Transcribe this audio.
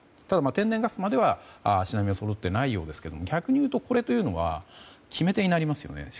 ただ天然ガスまでは、足並みはそろっていないようですが逆に言うと、これというのは決め手になりますよね。